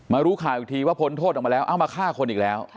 มารู้ขายทีว่าคนโทษออกมาแล้วเอ๊ะมาฆ่าคนอีกแล้ว